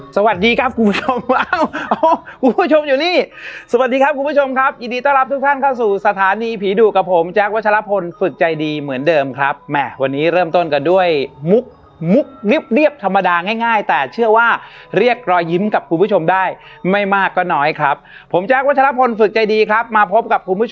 สวัสดีครับคุณผู้ชมอ้าวคุณผู้ชมอยู่นี่สวัสดีครับคุณผู้ชมครับยินดีต้อนรับทุกท่านเข้าสู่สถานีผีดุกับผมแจ๊ควัชลพลฝึกใจดีเหมือนเดิมครับแม่วันนี้เริ่มต้นกันด้วยมุกมุกเรียบเรียบธรรมดาง่ายง่ายแต่เชื่อว่าเรียกรอยยิ้มกับคุณผู้ชมได้ไม่มากก็น้อยครับผมแจ๊ควัชลพลฝึกใจดีครับมาพบกับคุณผู้ชม